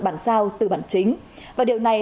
bản sao từ bản chính và điều này